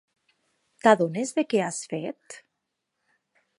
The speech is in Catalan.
T'adones de què has fet?